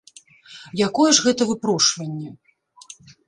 Якое ж гэта выпрошванне!